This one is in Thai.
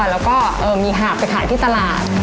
แล้วก็มีหาบไปขายที่ตลาด